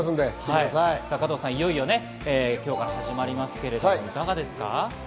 いよいよ、今日から始まりますけれどいかがですか？